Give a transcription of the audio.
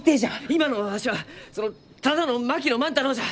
今のわしはそのただの槙野万太郎じゃ！